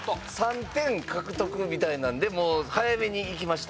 「３点獲得」みたいなんでもう早めにいきました。